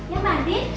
ya mbak adi